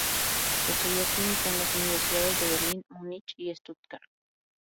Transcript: Estudió química en las universidades de Berlín, Múnich y Stuttgart.